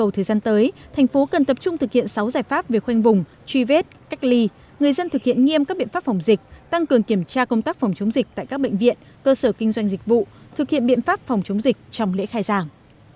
trong các giải pháp về khoanh vùng truy vết cách ly người dân thực hiện nghiêm các biện pháp phòng dịch tăng cường kiểm tra công tác phòng chống dịch tại các bệnh viện cơ sở kinh doanh dịch vụ thực hiện biện pháp phòng chống dịch trong lễ khai giảng